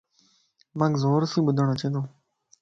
مانک زورسين ٻڌن اچيتو